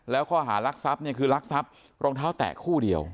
แล้วข้อหารักษัพนี่คือรักษัพรองเท้าแตะคู่เดียว